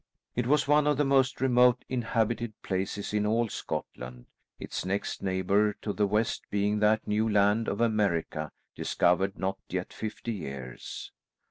It was one of the most remote inhabited places in all Scotland, its next neighbour to the west being that new land of America discovered not yet fifty years.